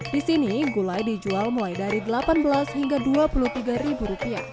di sini gulai dijual mulai dari rp delapan belas hingga rp dua puluh tiga